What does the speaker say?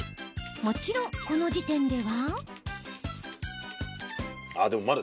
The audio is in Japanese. もちろん、この時点では。